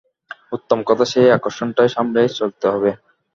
উত্তম কথা সেই আকর্ষণটাই সামলে চলতে হবে।